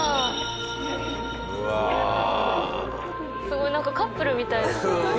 すごいなんかカップルみたい。